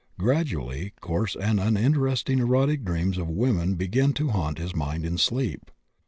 Gradually, coarse and uninteresting erotic dreams of women began to haunt his mind in sleep.